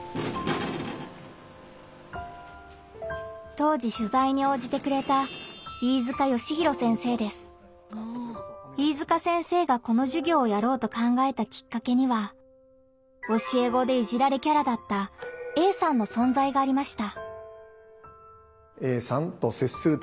当時しゅざいに応じてくれた飯塚先生がこのじゅぎょうをやろうと考えたきっかけには教え子で「いじられキャラ」だったＡさんの存在がありました。